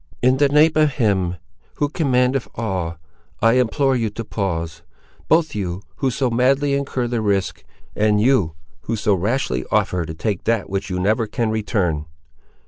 "In the name of Him, who commandeth all, I implore you to pause—both you, who so madly incur the risk, and you, who so rashly offer to take that which you never can return!"